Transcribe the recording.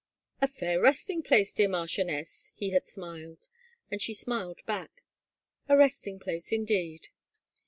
"A fair resting place, dear marchioness," he had smiled, and she smiled back, " A resting place, indeed."